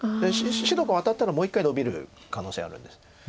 白がワタったらもう一回ノビる可能性あるんです。